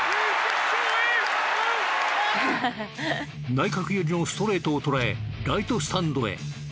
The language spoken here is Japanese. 内角寄りのストレートをとらえライトスタンドへ。